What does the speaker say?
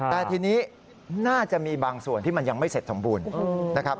แต่ทีนี้น่าจะมีบางส่วนที่มันยังไม่เสร็จสมบูรณ์นะครับ